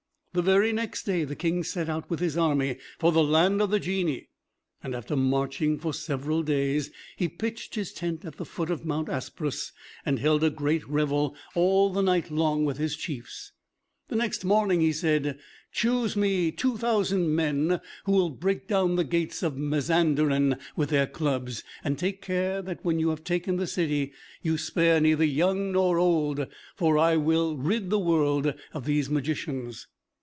The very next day the King set out with his army for the land of the Genii, and, after marching for several days, pitched his tent at the foot of Mount Asprus, and held a great revel all the night long with his chiefs. The next morning he said, "Choose me two thousand men who will break down the gates of Mazanderan with their clubs. And take care that when you have taken the city you spare neither young nor old, for I will rid the world of these magicians."